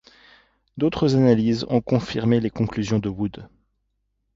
D'autres analyses ont confirmé les conclusions de Wood.